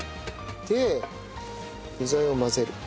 で具材を混ぜる。